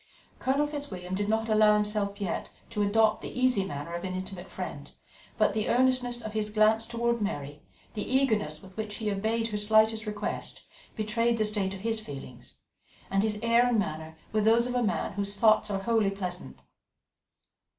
Colonel Fitzwilliam did not allow himself yet to adopt the easy manner of an intimate friend, but the earnestness of his glance towards Mary, the eagerness with which he obeyed her slightest request, betrayed the state of his feelings, and his air and manner were those of a man whose thoughts are wholly pleasant.